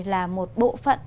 là một bộ phận